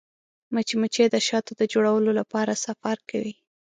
مچمچۍ د شاتو د جوړولو لپاره سفر کوي